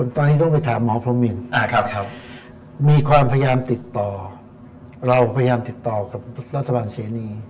ตอนนี้ต้องไปถามหมอพรมมินมีความพยายามติดต่อเราพยายามติดต่อกับรัฐบาลเสนี